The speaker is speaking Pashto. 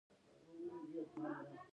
یعنې د خرڅولو لپاره تولید شوی وي.